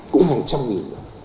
cũng hàng trăm nghìn rồi